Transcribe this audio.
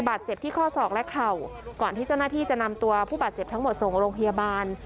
บาดเจ็บที่ข้อศอกและเข่าก่อนที่เจ้าหน้าที่จะนำตัวผู้บาดเจ็บทั้งหมดส่งโรงพยาบาล